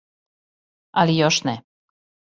Али, још не.